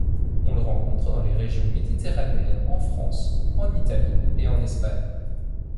On le rencontre dans les régions méditerranéennes en France, en Italie et en Espagne.